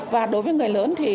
và đối với người lớn thì